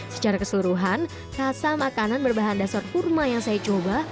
secara keseluruhan rasa makanan berbahan dasar kurma yang saya coba